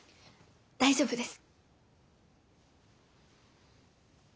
大丈夫です。